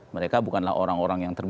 mereka bukanlah orang orang yang